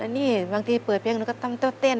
อันนี้บางทีเปิดเพลงหนูก็ตั้งเต้อเต้น